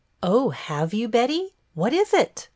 I " Oh, have you, Betty ? What is it